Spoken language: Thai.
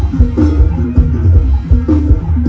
เวลาที่สุดท้าย